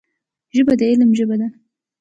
ژبه د علم ژبه ده